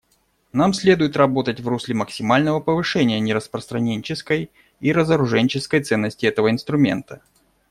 Нам следует работать в русле максимального повышения нераспространенческой и разоруженческой ценности этого инструмента.